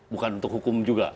bukan untuk hukum juga